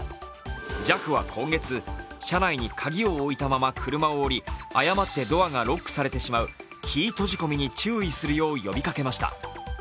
ＪＡＦは今月、車内に鍵を置いたまま車を降り誤ってドアがロックされてしまうキー閉じ込みに注意するよう呼びかけました。